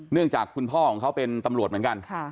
จากคุณพ่อของเขาเป็นตำรวจเหมือนกัน